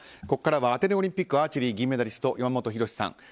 ここからはアテネオリンピックアーチェリー銀メダリスト山本博さん。